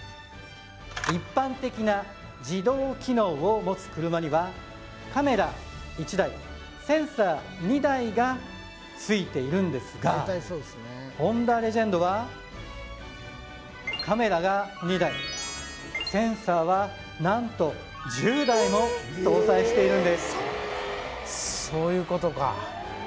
一般的な自動機能を持つ車にはカメラ１台センサー２台が付いているんですがＨｏｎｄａレジェンドはカメラが２台センサーは何と１０台も搭載しているんです